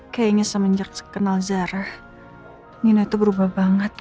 kayaknya semenjak kenal zara nina itu berubah banget